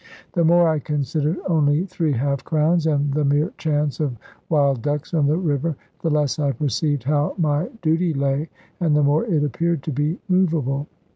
The more I considered only three half crowns, and the mere chance of wild ducks on the river, the less I perceived how my duty lay, and the more it appeared to be movable.